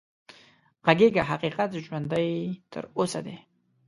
غږېږه حقيقت ژوندی تر اوسه دی